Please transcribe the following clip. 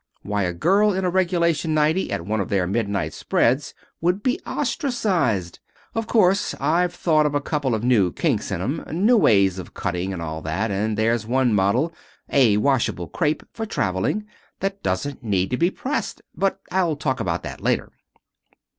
Why, a girl in a regulation nightie at one of their midnight spreads would be ostracized. Of course I've thought up a couple of new kinks in 'em new ways of cutting and all that, and there's one model a washable crepe, for traveling, that doesn't need to be pressed but I'll talk about that later."